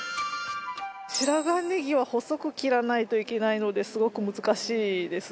白髪ネギは細く切らないといけないのですごく難しいです。